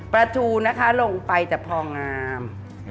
ทูนะคะลงไปแต่พองาม